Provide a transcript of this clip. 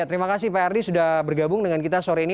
terima kasih pak ardi sudah bergabung dengan kita sore ini